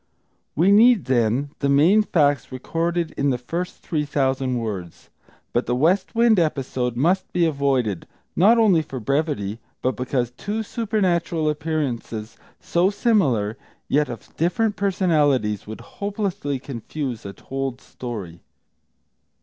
We need, then, the main facts recorded in the first three thousand words. But the West Wind episode must be avoided, not only for brevity, but because two supernatural appearances, so similar, yet of different personalities, would hopelessly confuse a told story.